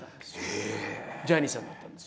え⁉ジャニーさんだったんです。